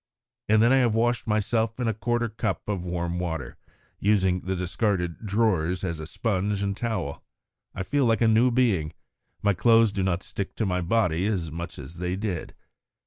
And then I have washed myself in a quarter of a cup of warm water, using the discarded drawers as sponge and towel. I feel like a new being; my clothes do not stick to my body as much as they did.